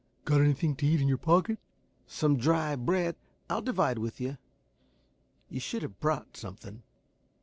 Got anything to eat in your pocket?" "Some dry bread. I'll divide with you. You should have brought something."